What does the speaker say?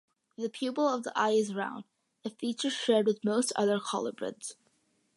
The pupil of the eye is round, a feature shared with most other colubrids.